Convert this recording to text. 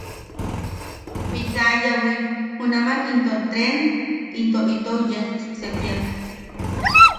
Pitayawi junaman into treen into itou yejtek sepia.